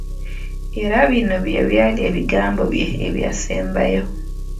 Era bino bye byali ebigambo bye ebyasembayo!